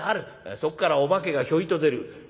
「そっからお化けがひょいと出る」。